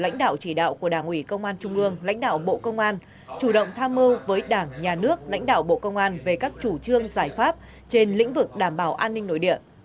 lãnh đạo chỉ đạo của đảng ủy công an trung ương lãnh đạo bộ công an chủ động tham mưu với đảng nhà nước lãnh đạo bộ công an về các chủ trương giải pháp trên lĩnh vực đảm bảo an ninh nội địa